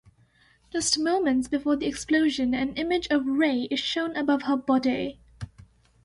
Just moments before the explosion, an image of Rei is shown above her body.